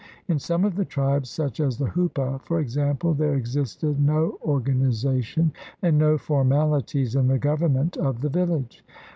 In some of the tribes, such as the Hupa, for example, there existed no organi zation and no formalities in the government of the village.